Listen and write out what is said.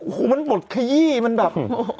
โหมันปลดขยี้มันแบบ